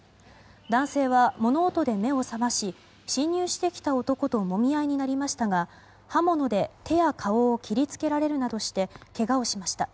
男性は物音で目を覚まし侵入してきた男ともみ合いになりましたが刃物で手や顔を切りつけられるなどしてけがをしました。